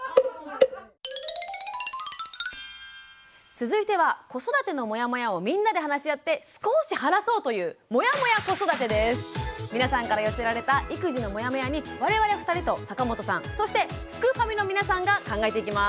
続いては子育てのモヤモヤをみんなで話し合って少し晴らそうという皆さんから寄せられた育児のモヤモヤに我々２人と坂本さんそしてすくファミの皆さんが考えていきます。